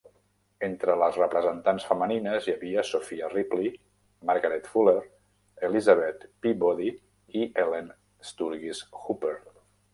Entre les representants femenines hi havia Sophia Ripley, Margaret Fuller, Elizabeth Peabody i Ellen Sturgis Hooper.